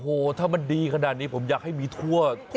โอ้โหถ้ามันดีขนาดนี้ผมอยากให้มีทั่ว